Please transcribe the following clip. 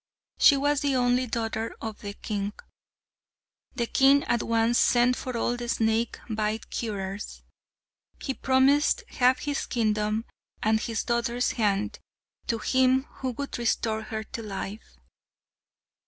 She was the only daughter of the king. The king at once sent for all the snake bite curers. He promised half his kingdom and his daughter's hand to him who would restore her to life.